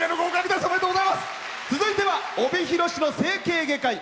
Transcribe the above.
続いては帯広市の整形外科医。